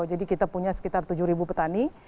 jadi kita punya sekitar tujuh ribu petani